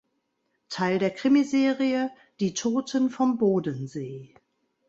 Teil der Krimiserie Die Toten vom Bodensee.